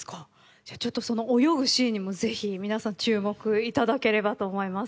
じゃあその泳ぐシーンにもぜひ皆さん注目いただければと思います。